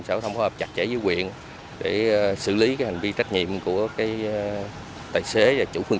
sở thông phối hợp chặt chẽ với huyện để xử lý hành vi trách nhiệm của tài xế và chủ phòng